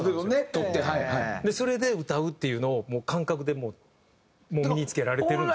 それで歌うっていうのをもう感覚で身に付けられてるんですよ。